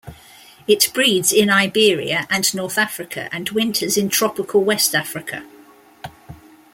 It breeds in Iberia and north Africa, and winters in tropical west Africa.